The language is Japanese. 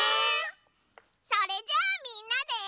それじゃあみんなで。